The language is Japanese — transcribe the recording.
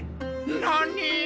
何！？